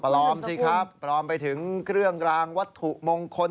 สิครับปลอมไปถึงเครื่องรางวัตถุมงคล